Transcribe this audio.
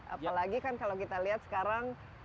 apalagi kan kalau kita lihat sekarang